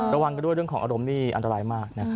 ระวังกันด้วยเรื่องของอารมณ์นี่อันตรายมากนะครับ